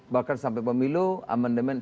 bahkan sampai pemilu amendement